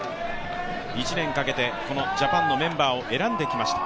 １年かけてこのジャパンのメンバーを選んできました。